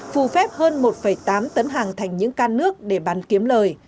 phù phép hơn một tám tấn hàng thành những can nước để bán kiếm lời